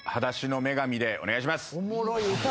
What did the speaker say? おもろい歌。